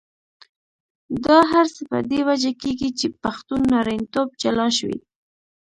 دا هر څه په دې وجه کېږي چې پښتون نارینتوب جلا شوی.